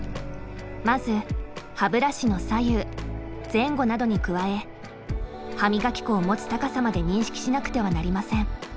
まず歯ブラシの左右前後などに加え歯磨き粉を持つ高さまで認識しなくてはなりません。